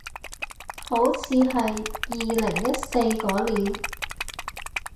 好似係二零一四嗰年